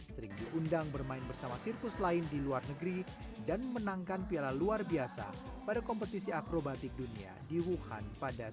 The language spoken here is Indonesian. sering diundang bermain bersama sirkus lain di luar negeri dan menangkan piala luar biasa pada kompetisi akrobatik dunia di wuhan pada seribu sembilan ratus sembilan puluh